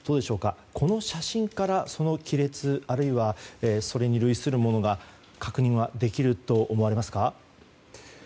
この写真から、その亀裂あるいは、それに類するものが確認はできると思われますか。